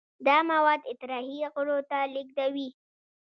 دا مواد اطراحي غړو ته لیږدوي.